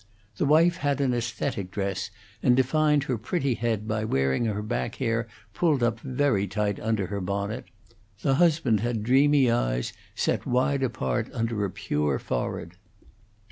The wife had an aesthetic dress, and defined her pretty head by wearing her back hair pulled up very tight under her bonnet; the husband had dreamy eyes set wide apart under a pure forehead.